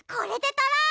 とろう！